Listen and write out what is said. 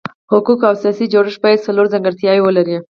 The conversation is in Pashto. حقوقي او سیاسي جوړښت باید څلور ځانګړتیاوې ولري.